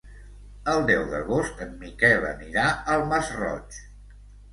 El deu d'agost en Miquel anirà al Masroig.